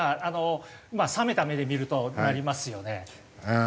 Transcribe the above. あのまあ冷めた目で見るとなりますよね。